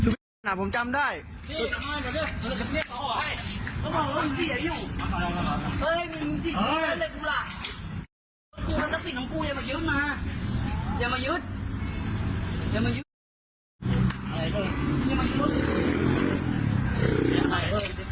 เรียกเลยครับผมโดนบ่อยชุดเนี้ยชุดผมจำได้